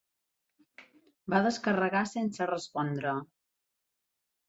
Va descarregar sense respondre.